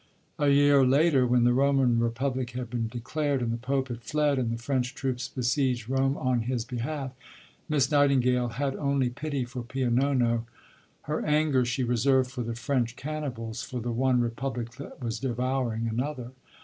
A year later, when the Roman Republic had been declared and the Pope had fled, and the French troops besieged Rome on his behalf, Miss Nightingale had only pity for Pio Nono; her anger she reserved for the French "cannibals," for the one Republic that was devouring another.